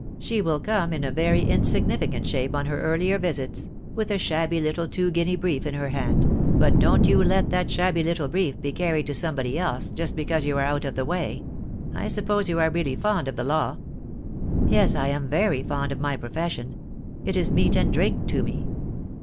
She will come in a very insignificant shape on her earlier visits — with a shabby little two guinea brief in her hand; but don't you let that shabby little brief be carried to somebody else just because you are out of the way. I suppose you are really fond of the law." "Yes, I am very fond of my profession. It is meat and drink to me."